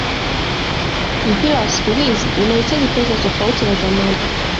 Mpira wa siku hizi unahitaji pesa tofauti na zamani